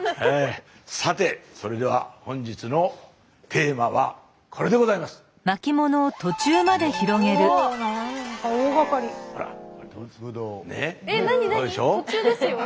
さてそれでは本日のテーマはこれでございます！ね？